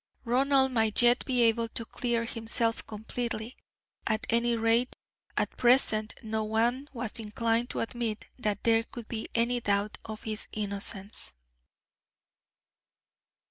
Ronald might yet be able to clear himself completely. At any rate, at present no one was inclined to admit that there could be any doubt of his innocence.